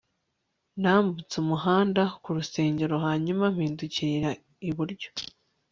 nambutse umuhanda ku rusengero hanyuma mpindukirira iburyo